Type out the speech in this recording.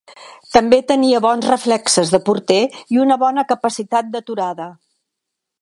També tenia bons reflexes de porter i una bona capacitat d'aturada.